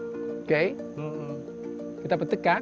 oke kita petik kan